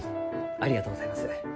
ありがとうございます。